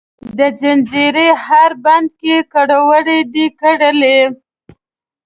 د ځنځیر هر بند کې کروړو دي کرلې،